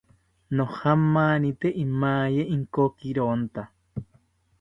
Nojamanite imaye inkokironta